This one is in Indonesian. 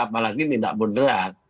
apalagi tidak mudra